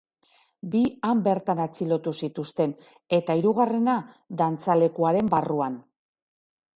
Bi han bertan atxilotu zituzten, eta hirugarrena, dantzalekuaren barruan.